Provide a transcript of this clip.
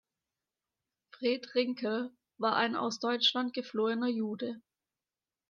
Fred Rinkel war ein aus Deutschland geflohener Jude.